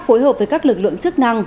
phối hợp với các lực lượng chức năng